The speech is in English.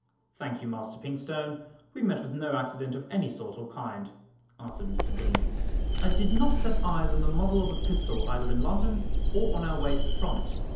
"Thank you, Master Pinkstone, we met with no accident of any sort or kind," answered Mr Deane. "I did not set eyes on the muzzle of a pistol either in London or on our way from it.